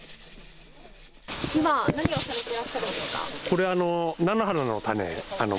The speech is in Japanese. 今何をされてらっしゃるんですか。